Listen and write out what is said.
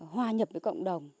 hòa nhập với cộng đồng